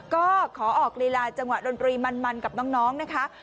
ก็ขอออกลีลาจังหวะดนตรีมันกับน้องนะคะ